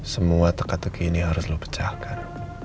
semua teka teki ini harus lo pecahkan